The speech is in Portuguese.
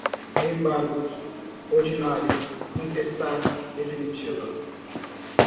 embargos, ordinário, contestar, definitiva